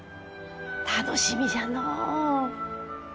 楽しみじゃのう。